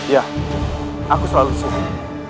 ya aku selalu bersyukur